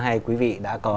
hai quý vị đã có